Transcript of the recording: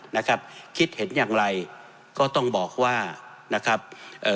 นะครับคิดเห็นอย่างไรก็ต้องบอกว่านะครับเอ่อ